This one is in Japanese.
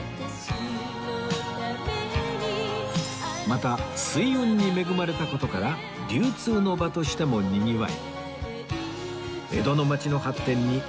また水運に恵まれた事から流通の場としてもにぎわい